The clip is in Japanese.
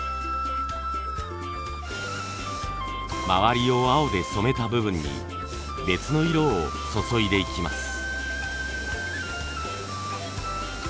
周りを青で染めた部分に別の色を注いでいきます。